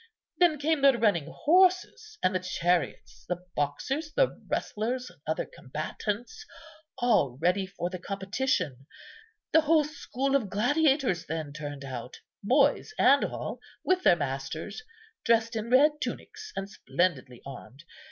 Then came the running horses and the chariots, the boxers, the wrestlers, and other combatants, all ready for the competition. The whole school of gladiators then turned out, boys and all, with their masters, dressed in red tunics, and splendidly armed.